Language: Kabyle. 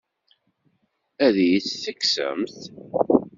Ad iyi-tt-tekksemt?